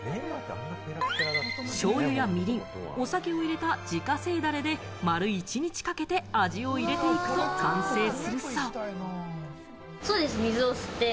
しょうゆやみりん、お酒を入れた自家製ダレで丸一日かけて味を入れていくと完成するそう。